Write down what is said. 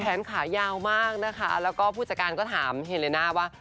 แขนขายาวมากนะคะแล้วก็ผู้จัดการก็ถามเฮเลน่าว่า